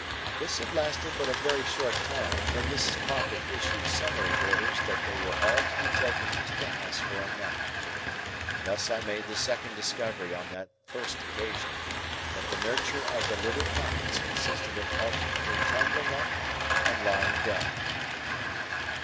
This had lasted but a very short time, when Mrs. Pocket issued summary orders that they were all to be taken into the house for a nap. Thus I made the second discovery on that first occasion, that the nurture of the little Pockets consisted of alternately tumbling up and lying down.